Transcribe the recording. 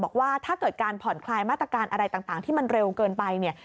บอกว่าถ้าเกิดการผ่อนคลายมาตรการอะไรต่างที่มันเร็วเกินไปเนี่ย